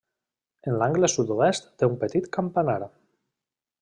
En l'angle sud-oest, té un petit campanar.